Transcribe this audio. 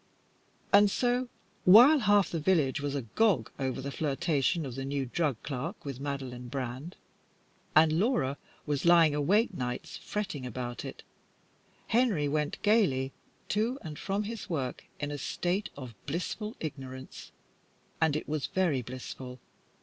And so, while half the village was agog over the flirtation of the new drug clerk with Madeline Brand, and Laura was lying awake nights fretting about it, Henry went gaily to and from his work in a state of blissful ignorance. And it was very blissful.